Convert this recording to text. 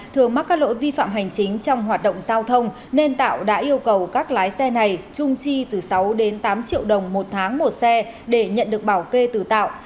thường mắc các lỗi vi phạm hành chính trong hoạt động giao thông nên tạo đã yêu cầu các lái xe này trung chi từ sáu đến tám triệu đồng một tháng một xe để nhận được bảo kê từ tạo